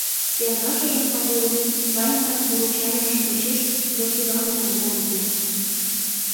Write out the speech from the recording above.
Эрлашыжым Пагулым Ванькан поручайымыж почеш до суда луктын колтеныт.